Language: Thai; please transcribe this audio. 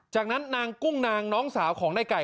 จากนั้นนางกุ้งนางน้องสาวของในไก่